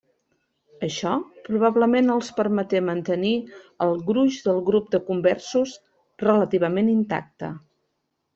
Això, probablement, els permeté mantenir el gruix del grup de conversos relativament intacte.